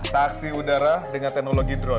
taksi udara dengan teknologi drone